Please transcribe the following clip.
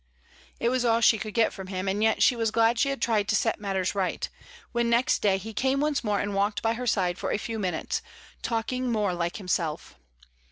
It was all she could get from him, and yet she was glad she had tried to set matters right, when next day he came once more and walked by her side for a few minutes, talking more like himself.